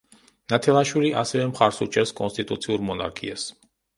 ნათელაშვილი ასევე მხარს უჭერს კონსტიტუციურ მონარქიას.